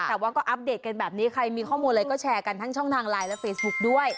แต่ว่าก็อัปเดตกันแบบนี้ใครมีข้อมูลอะไรก็แชร์กันทั้งช่องทางไลน์และเฟซบุ๊คด้วย